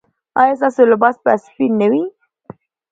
ایا ستاسو لباس به سپین نه وي؟